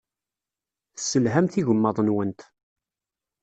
Tesselhamt igmaḍ-nwent.